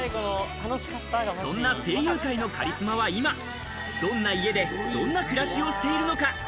そんな声優界のカリスマは今どんな家でどんな暮らしをしているのか。